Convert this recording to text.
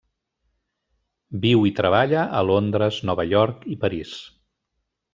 Viu i treballa a Londres, Nova York i París.